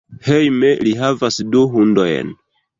Hejme li havas du hundojn.